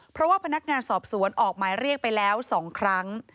เพราะว่าพนักงานสอบสวนออกหมายเรียกไปแล้ว๒ครั้ง